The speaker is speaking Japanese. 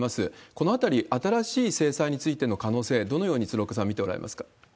このあたり、新しい制裁についての可能性、どのように鶴岡さんは見ておられますか？